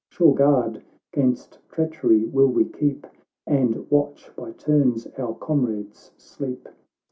Sure guard 'gainst treachery will we keep, And watch by turns our comrades' sleep.